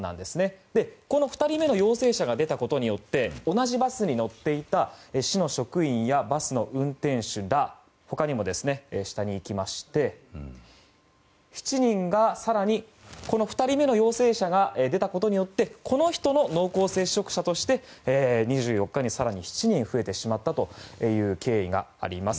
この２人目の陽性者が出たことによって同じバスに乗っていた市の職員やバスの運転手らほかにも７人が更にこの２人目の陽性者が出たことによってこの人の濃厚接触者として２４日に更に７人増えてしまったという経緯があります。